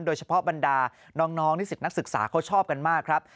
โดยเฉพาะบรรดาน้องนิสิตนักศึกษาเขาชอบกันมากครับ